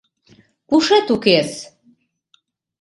— Пушет укес!